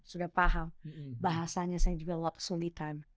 sudah paham bahasanya saya juga kesulitan